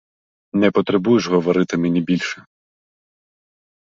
Не потребуєш говорити мені більше.